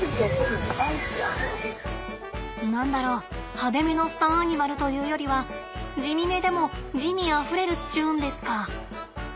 何だろう派手めのスターアニマルというよりは地味めでも滋味あふれるっちゅうんですか。